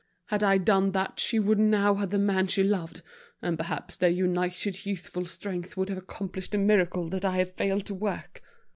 Had I done that she would now have the man she loved, and perhaps their united youthful strength would have accomplished the miracle that I have failed to work.